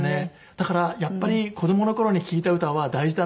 だからやっぱり子供の頃に聴いた歌は大事だなっていうか。